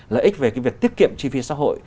lợi ích về cái việc tiết kiệm chi phí xã hội